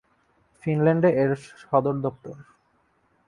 ফিনল্যান্ডে এর সদর দপ্তর।